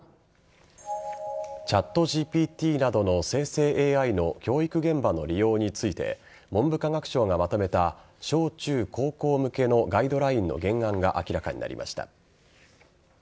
ＣｈａｔＧＰＴなどの生成ＡＩの教育現場の利用について文部科学省がまとめた小中高校向けのガイドラインの原案が明らかになりました。